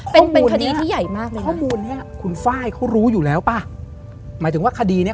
เป็นคดีที่ใหญ่มากเลยเนี่ย